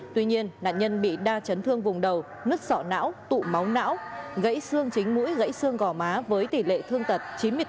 tuy nhiên nạn nhân bị đa chấn thương vùng đầu nứt sọ não tụ máu não gãy xương chính mũi dãy xương gò má với tỷ lệ thương tật chín mươi bốn